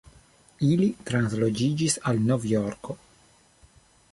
Ili transloĝiĝis al Nov-Jorko.